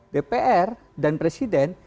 dpr dan presiden